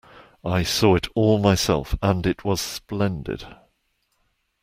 I saw it all myself, and it was splendid.